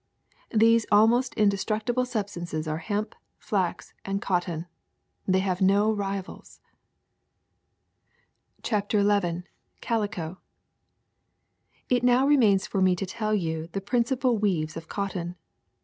These al most indestructiblr^ piibstnucos are hemp, flax, and cotton; and they have no rivals/' Uc.vj.... CHAPTER Xi CALICO IT now remains for me to tell you about the prin cipal weaves of cotton.